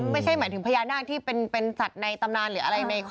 ไม่คือพญานาคเป็นช่องในตำนานหรืออะไรอีก